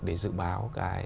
để dự báo cái